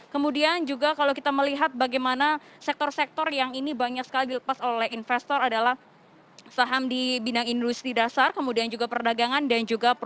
kemudian juga kalau kita melihat bagaimana sektor sektor yang ini banyak sekali dilepas oleh investor adalah saham di bidang industri dasar kemudian juga perdagangan